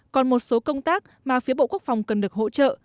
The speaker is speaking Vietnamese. còn một số công tác mà phía bộ quốc phòng cần được hỗ trợ